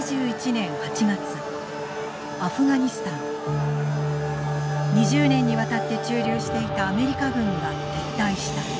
２０年にわたって駐留していたアメリカ軍が撤退した。